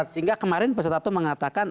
sehingga kemarin peserta itu mengatakan